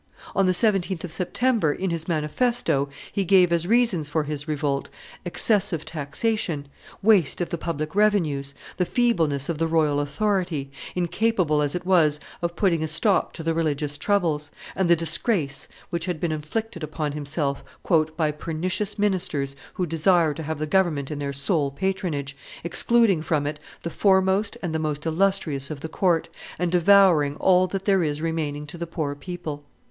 On the 17th of September, in his manifesto, he gave as reasons for his revolt, excessive taxation, waste of the public revenues, the feebleness of the royal authority, incapable as it was of putting a stop to the religious troubles, and the disgrace which had been inflicted upon himself "by pernicious ministers who desire to have the government in their sole patronage, excluding from it the foremost and the most illustrious of the court, and devouring all that there is remaining to the poor people."